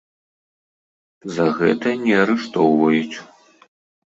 За гэта не арыштоўваюць.